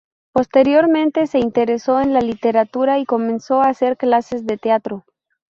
Posteriormente, se interesó en la literatura, y comenzó a hacer clases de teatro.